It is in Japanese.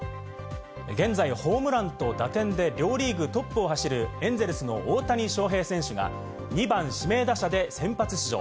現在ホームランと打点で両リーグトップを走るエンゼルスの大谷翔平選手が２番・指名打者で先発出場。